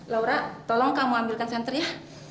laura tolong kamu ambilkan senter ya